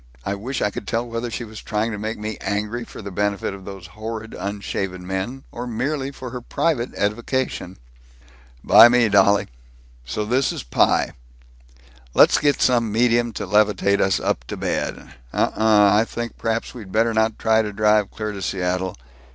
I wish I could tell whether she was trying to make me angry for the benefit of those horrid unshaven men, or merely for her private edification." "By me, dolly. So is this pie. Let's get some medium to levitate us up to bed. Uh uh I think perhaps we'd better not try to drive clear to Seattle.